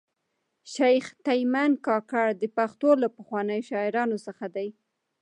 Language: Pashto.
شېخ تیمن کاکړ د پښتو له پخوانیو شاعرانو څخه دﺉ.